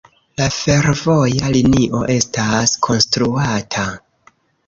La fervoja linio estas konstruata.